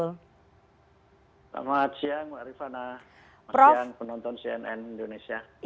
selamat siang mbak rifana penonton cnn indonesia